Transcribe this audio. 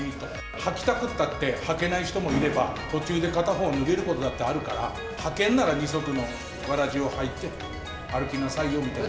履きたくったって履けない人もいれば、途中で片方脱げることだってあるから、履けるなら二足のわらじを履いて歩きなさいよみたいな。